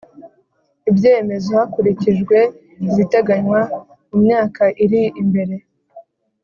ibyemezo hakurikijwe ibiteganywa mu myaka iri mbere